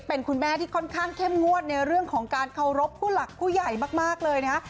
เป็นคุณแม่ที่ค่อนข้างเข้มงวดในเรื่องของการเคารพผู้หลักผู้ใหญ่มากเลยนะฮะ